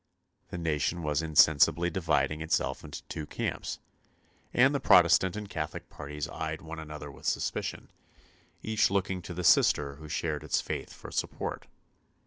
The nation was insensibly dividing itself into two camps, and the Protestant and Catholic parties eyed one another with suspicion, each looking to the sister who shared its faith for support.